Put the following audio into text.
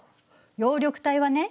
葉緑体はね